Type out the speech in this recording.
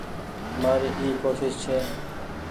مآري اي ڪوشش ڇي ۔